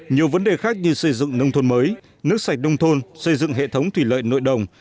nhiều vấn đề khác như xây dựng nông thôn mới nước sạch nông thôn xây dựng hệ thống thủy lợi nội đồng